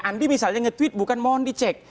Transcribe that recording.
andi misalnya nge tweet bukan mohon dicek